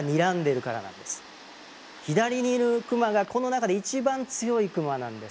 左にいるクマがこの中で一番強いクマなんです。